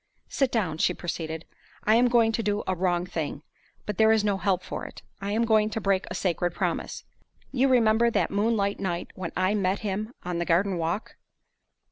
"Sit down," she proceeded. "I am going to do a wrong thing; but there is no help for it. I am going to break a sacred promise. You remember that moonlight night when I met him on the garden walk?"